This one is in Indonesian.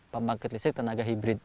pembangkit listrik tenaga hibrid